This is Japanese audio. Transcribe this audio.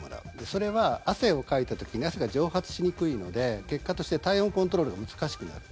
それは、汗をかいた時に汗が蒸発しにくいので結果として体温コントロールが難しくなる。